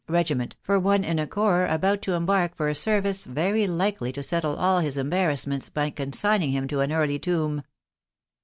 regiment for one in a corps about to embark for a service very likely to settle all his em barrassments by consigning him to an early tomb.